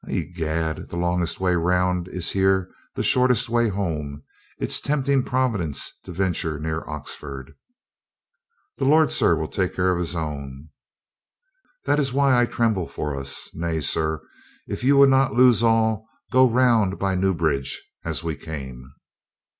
"I'gad, the longest way round is here the shortest way home. It's tempting Providence to venture near Oxford." "The Lord, sir, will take care of His own." AT WITNEY TOWN 249 "That is why I tremble for us. Nay, sir, if you would not lose all, go round by Newbridge as we came."